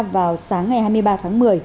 vào sáng ngày hai mươi ba tháng một mươi